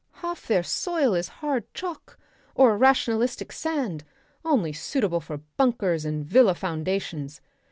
Half their soil is hard chalk or a rationalistic sand, only suitable for bunkers and villa foundations.